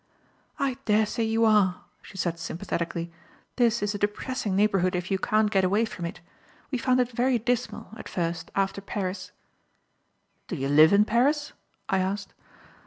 "I daresay you are," she said sympathetically. "This is a depressing neighbourhood if you can't get away from it. We found it very dismal, at first, after Paris." "Do you live in Paris?" I asked.